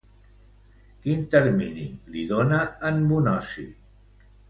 Quin termini li dona en Bonosi?